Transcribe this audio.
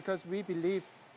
karena kami percaya